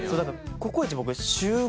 ココイチ僕。